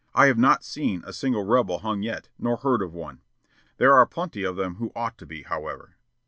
I have not seen a single rebel hung yet, nor heard of one. There are plenty of them who ought to be, however."